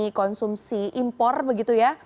konsumsi impor begitu ya